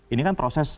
ini kan proses